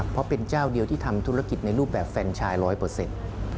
เพราะเป็นเจ้าเดียวที่ทำธุรกิจในรูปแบบแฟนชายร้อยเปอร์เซ็นต์